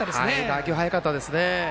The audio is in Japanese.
打球、速かったです。